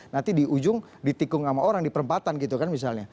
nanti di ujung ditikung sama orang di perempatan gitu kan misalnya